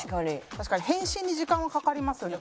確かに返信に時間はかかりますよね